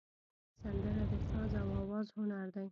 سندره د ساز او آواز هنر دی